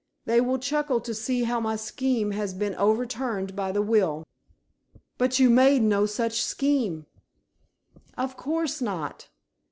They will chuckle to see how my scheme has been overturned by the will." "But you made no such scheme." "Of course not.